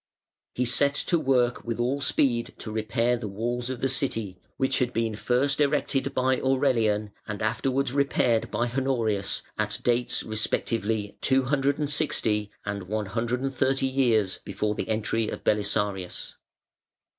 He set to work with all speed to repair the walls of the City, which had been first erected by Aurelian and afterwards repaired by Honorius at dates respectively 260 and 130 years before the entry of Belisarius.